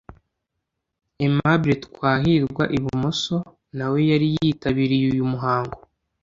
Aimable Twahirwa(ibumoso) nawe yari yitabiriye uyu muhango